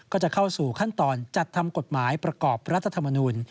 ก็จะเข้าสู่ขั้นตอนจัดทำกฎหมายประกอบรัฐธรรมนูล